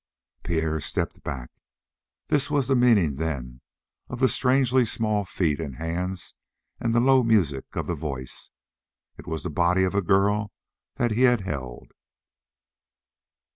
Pierre stepped back. This was the meaning, then, of the strangely small feet and hands and the low music of the voice. It was the body of a girl that he had held.